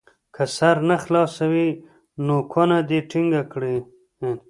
که سر نه خلاصوي نو کونه دې ټینګه کړي.